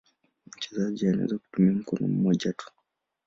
Mchezaji anaweza kutumia mkono mmoja tu.